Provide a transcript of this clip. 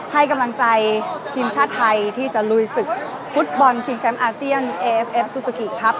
ให้กำลังใจทีมชาติไทยที่จะลุยศึกฟุตบอลชิงแชมป์อาเซียนเอฟเอฟซูซูกิครับ